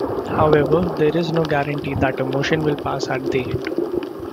However, there is no guarantee that a motion will pass at the end.